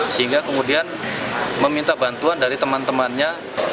sehingga kemudian meminta bantuan dari teman temannya